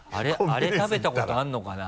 あれ食べたことあるのかな？